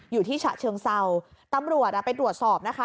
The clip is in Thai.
อยู่ที่ฉะเชิงเซาตำรวจอ่ะไปตรวจสอบนะคะ